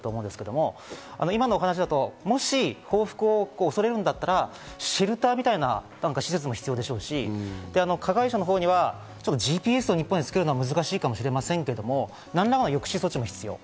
警察がバックアップするという三段構造があると思うんですが今のお話だと、もし報復を恐れるんだったら、シェルターみたいな施設も必要でしょうし、加害者のほうにはＧＰＳを日本でつけるのは難しいかもしれませんけど、何らかの抑止装置も必要。